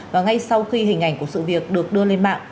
và ngay sau khi hình ảnh của sự việc được đưa lên mạng